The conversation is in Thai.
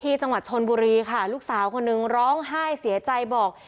จังหวัดชนบุรีค่ะลูกสาวคนนึงร้องไห้เสียใจบอก